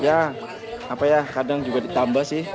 ya apa ya kadang juga ditambah sih